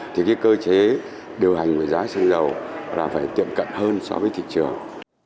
thì cơ chế điều hành với giá xăng dầu là phải tiệm cận hơn so với thị trường